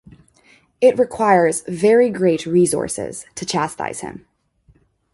It requires very great resources to chastise him.